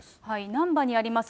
難波にあります